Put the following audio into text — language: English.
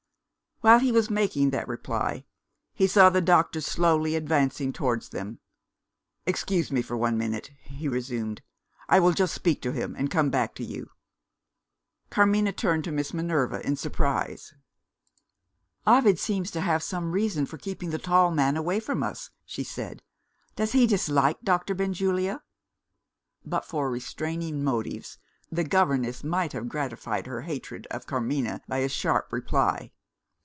While he was making that reply, he saw the doctor slowly advancing towards them. "Excuse me for one minute," he resumed; "I will just speak to him, and come back to you." Carmina turned to Miss Minerva in surprise. "Ovid seems to have some reason for keeping the tall man away from us," she said. "Does he dislike Doctor Benjulia?" But for restraining motives, the governess might have gratified her hatred of Carmina by a sharp reply.